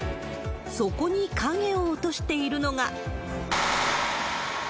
そこに影を落としているのが。